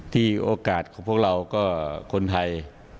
โอกาสของพวกเราก็คนไทย